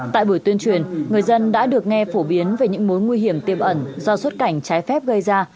tại buổi tuyên truyền người dân đã được nghe phổ biến về những mối nguy hiểm tiềm ẩn do xuất cảnh trái phép gây ra